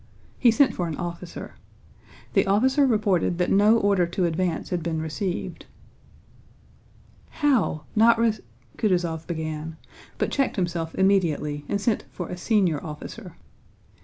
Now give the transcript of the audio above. He sent for an officer. The officer reported that no order to advance had been received. "How! Not rec..." Kutúzov began, but checked himself immediately and sent for a senior officer.